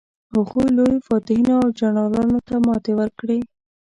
هغوی لویو فاتحینو او جنرالانو ته ماتې ورکړې.